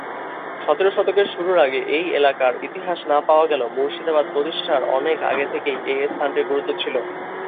সতেরো শতকের শুরুর আগে এই এলাকার ইতিহাস না পাওয়া গেলেও মুর্শিদাবাদ প্রতিষ্ঠার অনেক আগে থেকেই এই স্থানটির গুরুত্ব ছিল।